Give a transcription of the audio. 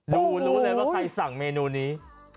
รู้เลยว่าใครสั่งเมนูนี้